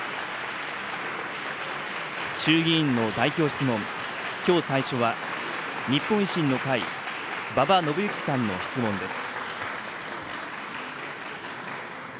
衆議院の代表質問、きょう最初は、日本維新の会、馬場伸幸さんの質問です。